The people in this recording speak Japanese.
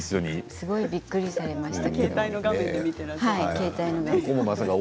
すごいびっくりされていました。